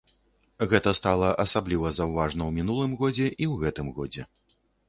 Гэта стала асабліва заўважна ў мінулым годзе, і ў гэтым годзе.